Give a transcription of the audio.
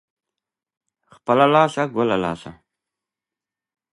ډبرې کارېدلې دي.